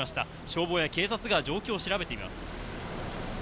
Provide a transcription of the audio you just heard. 消防や警察が状況を調べています。